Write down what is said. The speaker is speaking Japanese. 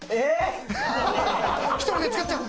・一人で使っちゃう！